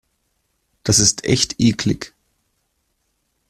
Das ist echt eklig.